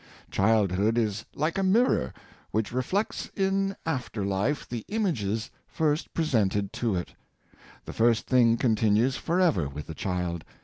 Childhood is like a mir ror, which reflects in after life the images first presented to it. The first thing continues forever with the child.